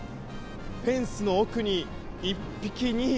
フェンスの奥に１匹、２匹。